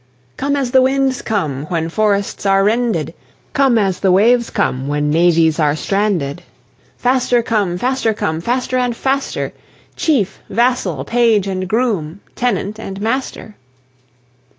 Come as the winds come, when Forests are rended; Come as the waves come, when Navies are stranded: Faster come, faster come, Faster and faster, Chief, vassal, page, and groom, Tenant and master.